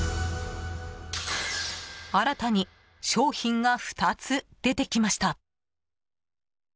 新たに商品が２つ出てきました。